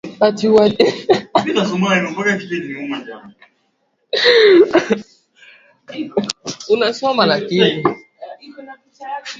Uajemi ilishambuliwa na Iraki na vita vya miaka nane ilisababisha